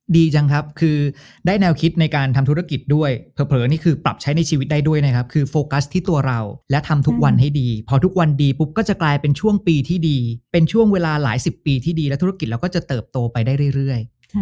ดีจังครับคือได้แนวคิดในการทำธุรกิจด้วยเผลอนี่คือปรับใช้ในชีวิตได้ด้วยนะครับคือโฟกัสที่ตัวเราและทำทุกวันให้ดีพอทุกวันดีปุ๊บก็จะกลายเป็นช่วงปีที่ดีเป็นช่วงเวลาหลายสิบปีที่ดีและธุรกิจเราก็จะเติบโตไปได้เรื่อย